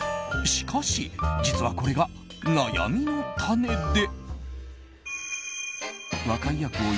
しかし、実はこれが悩みの種で。